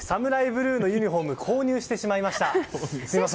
ブルーのユニホーム購入してしまいました。